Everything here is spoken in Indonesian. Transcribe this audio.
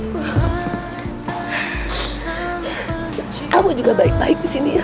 kamu juga baik baik di sini ya